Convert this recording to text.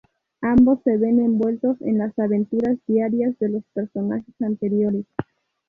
Ambos se ven envueltos en las aventuras diarias de los personajes anteriores.